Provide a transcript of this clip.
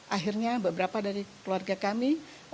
akhirnya beberapa dari keluarga kami